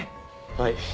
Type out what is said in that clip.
はい。